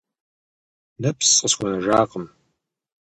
Нэпс къысхуэнэжакъым.